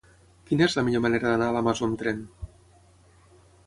Quina és la millor manera d'anar a la Masó amb tren?